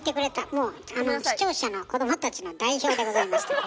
もう視聴者の子どもたちの代表でございました。